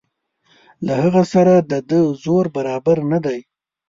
له هغه سره د ده زور برابر نه دی.